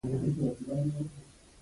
دا بهیر به همداسې تکرارېږي.